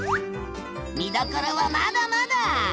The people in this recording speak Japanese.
見どころはまだまだ！